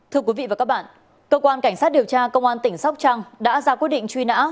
thưa quý vị và các bạn cơ quan cảnh sát điều tra công an tỉnh sóc trăng đã ra quyết định truy nã